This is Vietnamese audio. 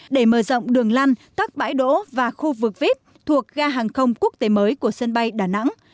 để mở rộng đường lăn các bãi đỗ và khu vực vít thuộc ga hàng không quốc tế mới của sân bay đà nẵng